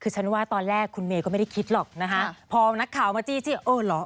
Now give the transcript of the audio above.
คือฉันว่าตอนแรกคุณเมย์ก็ไม่ได้คิดหรอกนะคะพอนักข่าวมาจี้เออเหรอ